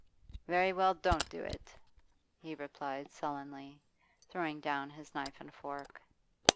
'Very well, don't do it,' he replied sullenly, throwing down his knife and fork.